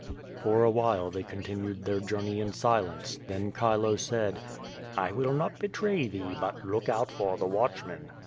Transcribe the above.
For awhile they continued their journey in silence. Then Chilo said: "I will not betray thee, but look out for the watchmen."